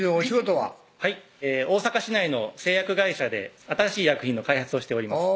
はい大阪市内の製薬会社で新しい医薬品の開発をしております